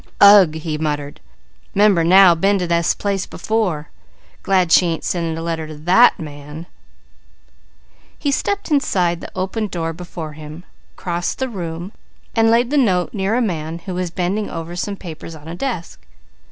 "Ugh!" he muttered. "'Member now been to this place before! Glad she ain't sending a letter to that man." He stepped inside the open door before him, crossed the room and laid the note near a man who was bending over some papers on a desk.